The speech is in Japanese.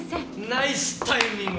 ナイスタイミング！